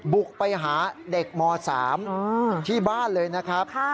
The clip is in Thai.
บุกไปหาเด็กม๓ที่บ้านเลยนะครับ